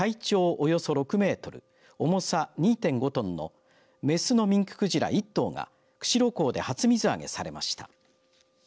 およそ６メートル重さ２．５トンのメスのミンククジラ１頭が釧路港で初水揚げされました。